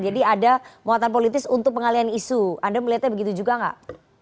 jadi ada muatan politis untuk pengalian isu anda melihatnya begitu juga gak